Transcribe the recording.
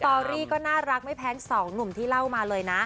อรี่ก็น่ารักไม่แพ้สองหนุ่มที่เล่ามาเลยนะ